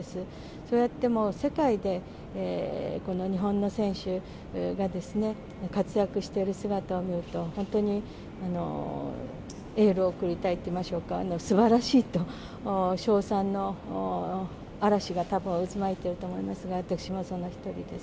そうやって世界でこの日本の選手が活躍している姿を見ると、本当にエールを送りたいと申しましょうか、すばらしいと、称賛の嵐がたぶん渦巻いていると思いますが、私もその一人です。